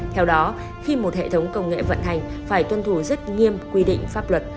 theo đó khi một hệ thống công nghệ vận hành phải tuân thủ rất nghiêm quy định pháp luật